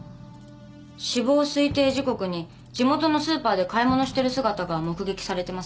死亡推定時刻に地元のスーパーで買い物してる姿が目撃されてます。